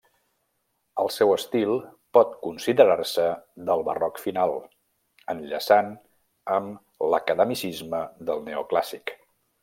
El seu estil pot considerar-se del barroc final, enllaçant amb l'academicisme del neoclàssic.